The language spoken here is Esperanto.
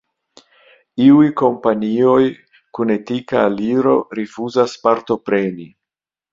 Iuj kompanioj kun etika aliro rifuzas partopreni.